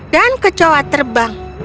dan kecoa terbang